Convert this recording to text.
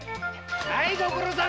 はいご苦労さん。